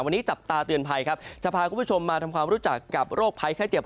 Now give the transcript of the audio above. วันนี้จับตาเตือนภัยครับจะพาคุณผู้ชมมาทำความรู้จักกับโรคภัยไข้เจ็บ